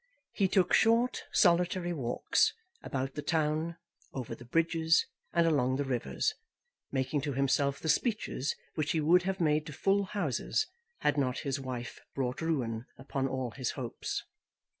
He took short, solitary walks, about the town, over the bridges, and along the rivers, making to himself the speeches which he would have made to full houses, had not his wife brought ruin upon all his hopes.